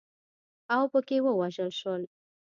اوپکي ووژل شول.